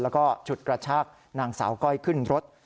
แล้วก็ฉุดกระชากนางสาวก้อยขึ้นรถ